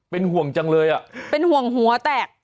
เป็นห่วงจังเลยอ่ะเป็นห่วงหัวแตก